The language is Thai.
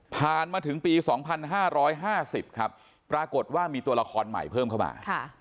ผ่านมาถึงปี๒๕๕๐ครับปรากฏว่ามีตัวละครใหม่เพิ่มเข้ามา